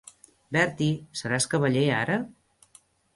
Bertie, seràs cavaller ara?